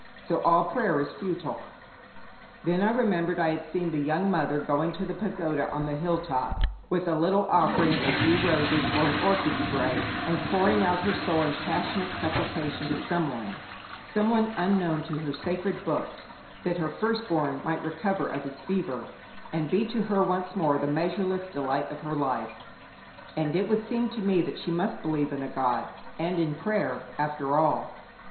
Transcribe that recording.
So all prayer is futile. Then I remembered I had seen the young mother going to the pagoda on the hilltop with a little offering of a few roses or an orchid spray, and pouring out her soul in passionate supplication to Someone Someone unknown to her sacred books that her firstborn might recover of his fever, and be to her once more the measureless delight of her life; and it would seem to me that she must believe in a God and in prayer after all.